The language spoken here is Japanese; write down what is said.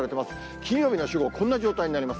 金曜日の正午、こんな状態になります。